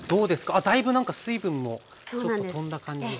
あっだいぶなんか水分もちょっと飛んだ感じで。